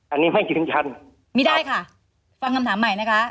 อันนี้ไม่จริงชั้นไม่ได้ค่ะฟังคำถามใหม่นะคะ